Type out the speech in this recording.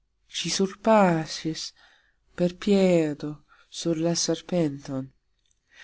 Sxi surpasxis per piedo sur la serpenton.